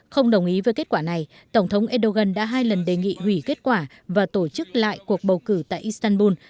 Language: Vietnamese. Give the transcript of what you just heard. không đồng ý với kết quả này tổng thống erdogan đã hai lần đề nghị hủy kết quả và tổ chức lại cuộc bầu cử tại istanbul